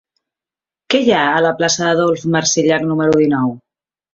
Què hi ha a la plaça d'Adolf Marsillach número dinou?